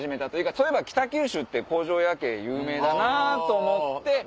そういえば北九州って工場夜景有名だなと思って。